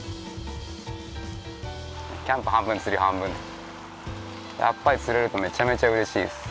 キャンプ半分釣り半分でやっぱり釣れるとめちゃめちゃうれしいです